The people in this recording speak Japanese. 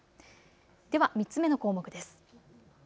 では３つ目の項目です。